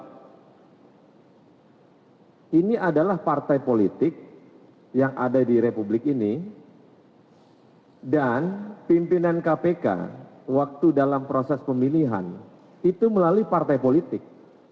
karena ini adalah partai politik yang ada di republik ini dan pimpinan kpk waktu dalam proses pemilihan itu melalui partai politik